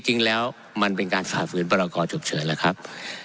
จริงแล้วมันเป็นการฝ่าฝืนพรกรฉุกเฉินแหละครับ